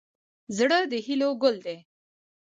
زړه د هیلو ګل دی.